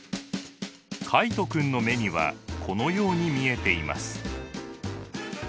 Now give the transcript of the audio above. カイト君の目にはこのように見えています。